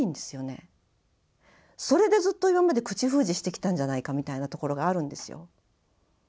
それでずっと今まで口封じしてきたんじゃないかみたいなところがあるんですよ。